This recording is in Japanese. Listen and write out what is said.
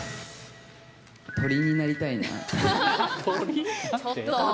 鳥になりたいなって。